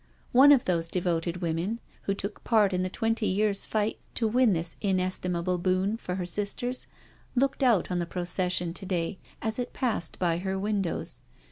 One of those devoted women, who took part in the twenty years* fight to win this inestimable boon for her sisters, looked out on the procession to day as it passed by her windows.